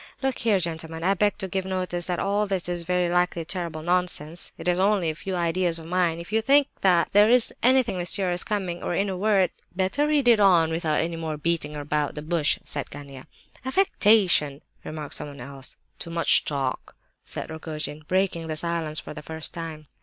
Look here, gentlemen, I beg to give notice that all this is very likely terrible nonsense. It is only a few ideas of mine. If you think that there is anything mysterious coming—or in a word—" "Better read on without any more beating about the bush," said Gania. "Affectation!" remarked someone else. "Too much talk," said Rogojin, breaking the silence for the first time.